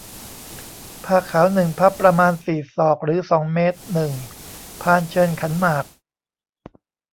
ผ้าขาว หนึ่ง พับ ประมาณ สี่ ศอก หรือ สอง เมตร หนึ่ง พานเชิญขันหมาก